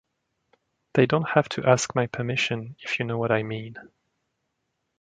They don't have to ask my permission, if you know what I mean.